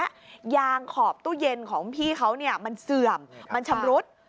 ยางขอบตู้เย็นของพี่เขามันเสื่อมมันชำรุด